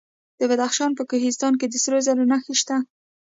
د بدخشان په کوهستان کې د سرو زرو نښې شته.